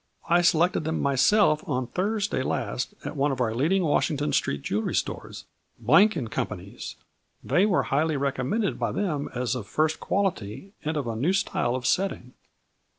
I selected them my self on Thursday last at one of our leading Washington street jewelry stores, Blank & Co's. They were highly recommended by them as of first quality and of a new style of setting.